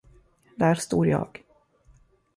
Där stod jag.